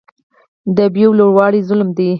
د بیو لوړول ظلم دی